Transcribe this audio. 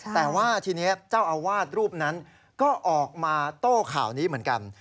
แต่ว่าทีนี้เจ้าอาวาสรูปนั้นก็ออกมาโต้ข่าวนี้เหมือนกัน